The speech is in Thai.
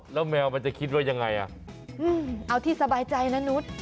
แล้วแมวมันจะคิดว่ายังไงอ่ะเอาที่สบายใจนะนุษย์